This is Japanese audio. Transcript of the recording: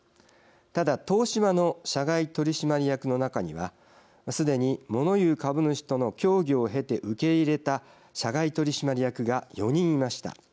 ただ、東芝の社外取締役の中にはすでにもの言う株主との協議を経て受け入れた社外取締役が４人いました。